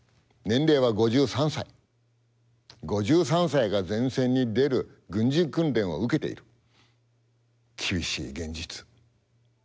５３歳が前線に出る軍事訓練を受けている厳しい現実。